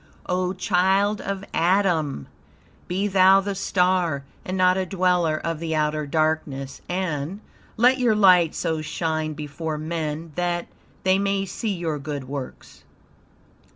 O child of Adam! Be thou the star, and not a dweller of the outer darkness, and "Let your light so shine before men, that, they may see your good works."